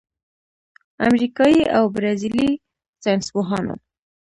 امریکايي او برازیلي ساینسپوهانو